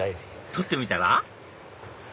撮ってみたら？